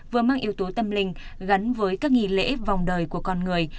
vừa mang yếu tố tâm linh gắn với các nghi lễ vòng đời của con người